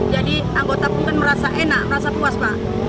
jadi anggota pun kan merasa enak merasa puas pak